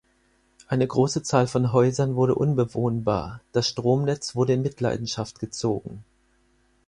Eine große Zahl von Häusern wurde unbewohnbar, das Stromnetz wurde in Mitleidenschaft gezogen.